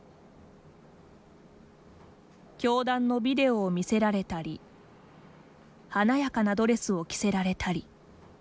教団のビデオを見せられたり華やかなドレスを着せられたり。